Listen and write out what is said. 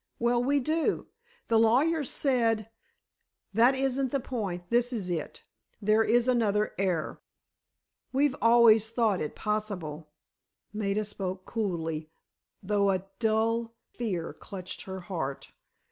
Well, we do. The lawyers said——" "That isn't the point; this is it. There is another heir." "We've always thought it possible." Maida spoke coolly, though a dull fear clutched her heart.